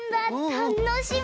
たのしみ！